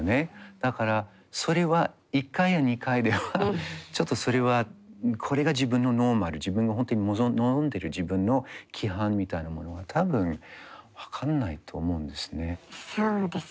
だからそれは１回や２回ではちょっとそれはこれが自分のノーマル自分の本当に望んでる自分の規範みたいなものが多分分かんないと思うんですね。